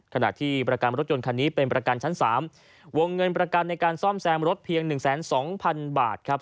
ขณะที่ประกันรถยนต์คันนี้เป็นประกันชั้น๓วงเงินประกันในการซ่อมแซมรถเพียง๑๒๐๐๐บาทครับ